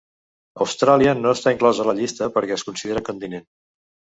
Austràlia no està inclosa a la llista perquè es considera continent.